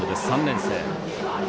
３年生。